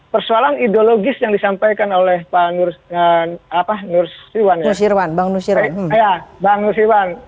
persoalan ideologis yang disampaikan oleh bang nusyirwan